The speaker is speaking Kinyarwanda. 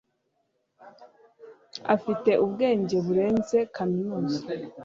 afite ubwenge burenze kaminuza